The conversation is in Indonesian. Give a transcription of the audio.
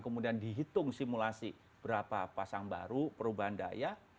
kemudian dihitung simulasi berapa pasang baru perubahan daya